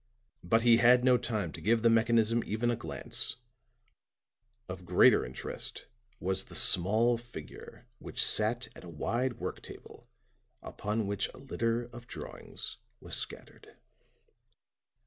But he had no time to give the mechanism even a glance; of greater interest was the small figure which sat at a wide work table upon which a litter of drawings was scattered.